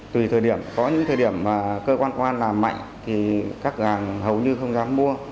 tùy thời điểm có những thời điểm mà cơ quan công an làm mạnh thì các hàng hầu như không dám mua